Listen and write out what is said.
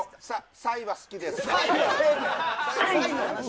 サイは好きですか。